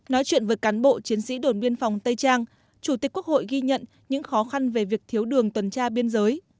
nói chuyện với cán bộ chiến sĩ đồn biên phòng tây trang chủ tịch quốc hội ghi nhận những khó khăn về việc thiếu đường tuần tra biên giới